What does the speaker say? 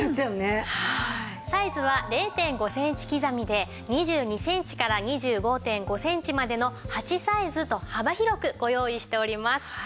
サイズは０．５センチ刻みで２２センチから２５．５センチまでの８サイズと幅広くご用意しております。